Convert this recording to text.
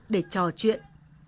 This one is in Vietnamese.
để trò chuyện